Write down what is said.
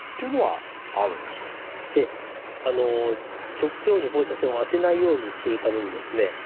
直腸に放射線を当てないようにするためにですね